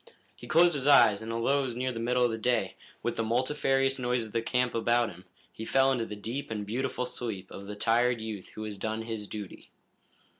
He closed his eyes, and although it was near the middle of the day, with the multifarious noises of the camp about him, he fell into the deep and beautiful sleep of the tired youth who has done his duty.